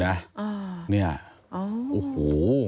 หวังนะนี่โอ้โห